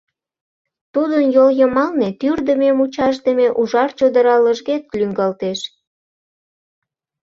Тудын йол йымалне тӱрдымӧ-мучашдыме ужар чодыра лыжге лӱҥгалтеш.